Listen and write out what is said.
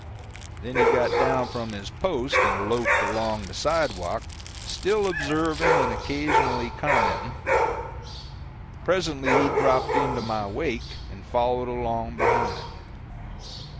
Then he got down from his post and loafed along the sidewalk, still observing and occasionally commenting. Presently he dropped into my wake and followed along behind.